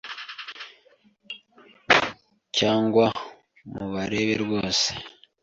Cyangwa mubarebe rwose